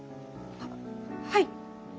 はっはい。